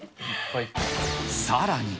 さらに。